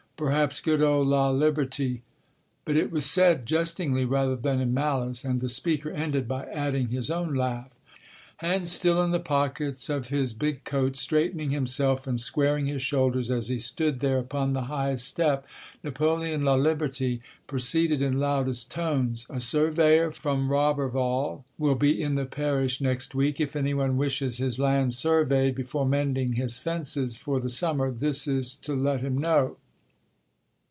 Perhaps good old Laliberte ..." But it was said jestingly rather than in malice, and the speaker ended by adding his own laugh. Hands still in the pockets of his big coat, straightening himself and squaring his shoulders as he stood there upon the highest step, Napoleon Laliberte proceeded in loudest tones: "A surveyor from Roberval will be in the parish next week. If anyone wishes his land surveyed before mending his fences for the summer, this is to let him know."